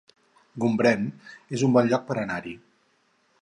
Gombrèn es un bon lloc per anar-hi